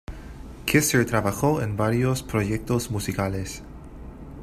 Kisser trabajó en varios proyectos musicales.